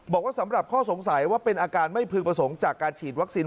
สำหรับข้อสงสัยว่าเป็นอาการไม่พึงประสงค์จากการฉีดวัคซีน